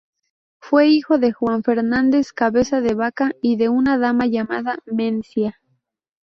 Fue hijo de Juan Fernández Cabeza de Vaca y de una dama llamada Mencía.